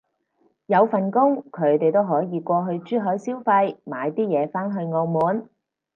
有份工，佢哋都可以過去珠海消費買啲嘢返去澳門